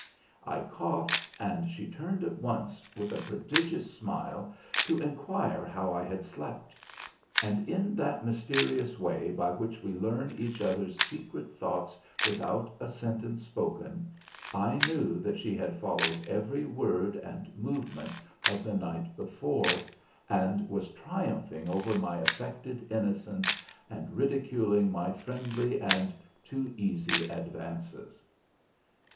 I coughed, and she turned at once with a prodigious smile to inquire how I had slept. And in that mysterious way by which we learn each other's secret thoughts without a sentence spoken I knew that she had followed every word and movement of the night before, and was triumphing over my affected innocence and ridiculing my friendly and too easy advances.